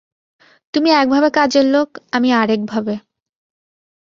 তুমি একভাবে কাজের লোক, আমি আর একভাবে।